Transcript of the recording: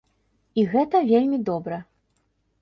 І гэта вельмі добра.